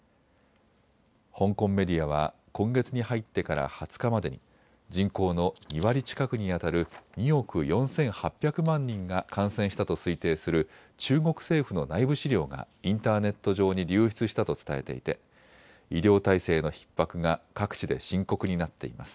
香港メディアは今月に入ってから２０日までに人口の２割近くにあたる２億４８００万人が感染したと推定する中国政府の内部資料がインターネット上に流出したと伝えていて医療体制のひっ迫が各地で深刻になっています。